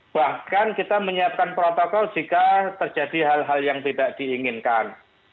bahkan kita menyiapkan protokol jika terjadi hal hal yang tidak diinginkan